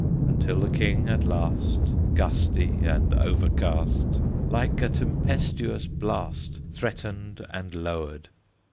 Until the King at last, Gusty and overcast, Like a tempestuous blast Threatened and lowered.